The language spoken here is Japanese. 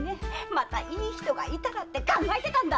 またイイ人がいたらって考えてたんだ！